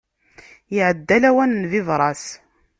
Iɛedda lawan n bibras.